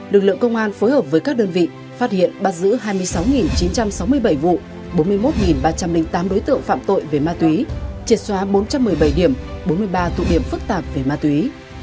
lực lượng công an phối hợp với các đơn vị phát hiện bắt giữ hai mươi sáu chín trăm sáu mươi bảy vụ bốn mươi một ba trăm linh tám đối tượng phạm tội về ma túy triệt xóa bốn trăm một mươi bảy điểm bốn mươi ba tụ điểm phức tạp về ma túy